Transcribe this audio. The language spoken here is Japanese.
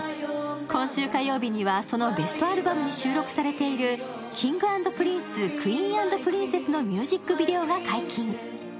今週火曜日にはそのベストアルバムに収録されている「Ｋｉｎｇ＆Ｐｒｉｎｃｅ，Ｑｕｅｅｎ＆Ｐｒｉｎｃｅｓｓ」のミュージックビデオが解禁。